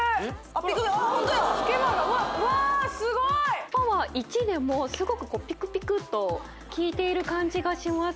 あっホントやつけまがわすごいパワー１でもすごくピクピクっと効いている感じがします